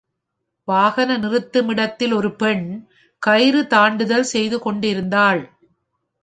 வாகன நிறுத்திமிடத்தில் ஒரு பெண் கயிறு தாண்டுதல் செய்து கொண்டிருந்தாள்.